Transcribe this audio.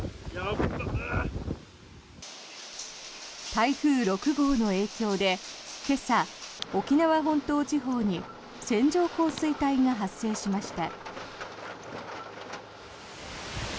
台風６号の影響で今朝、沖縄本島地方に線状降水帯が発生しました。